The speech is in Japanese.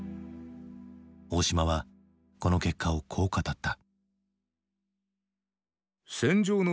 大島はこの結果をこう語った。